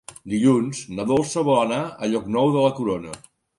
Dilluns na Dolça vol anar a Llocnou de la Corona.